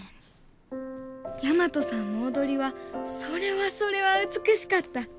大和さんの踊りはそれはそれは美しかった。